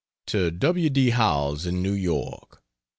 To W. D. Howells, in New York.